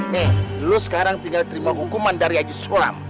nih lu sekarang tinggal terima hukuman dari agisulam